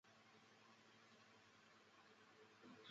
但是书店没货